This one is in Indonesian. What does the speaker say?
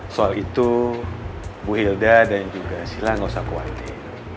soal itu bu hilda dan juga sila nggak usah kuatir